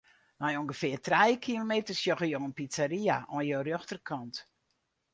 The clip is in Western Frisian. Nei ûngefear trije kilometer sjogge jo in pizzeria oan jo rjochterkant.